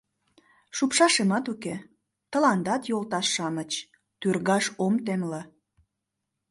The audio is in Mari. — Шупшашемат уке, тыландат, йолташ-шамыч, тӱргаш ом темле.